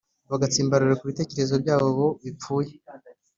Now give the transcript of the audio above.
bagatsimbarara ku bitekerezo byabo bipfuye